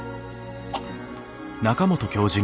あっ。